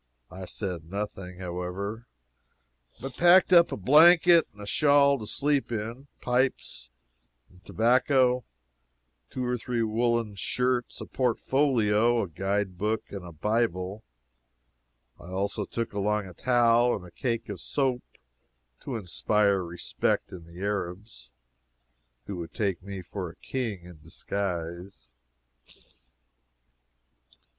I said nothing, however, but packed up a blanket and a shawl to sleep in, pipes and tobacco, two or three woollen shirts, a portfolio, a guide book, and a Bible. I also took along a towel and a cake of soap, to inspire respect in the Arabs, who would take me for a king in disguise.